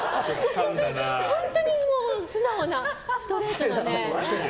本当に素直なストレートな。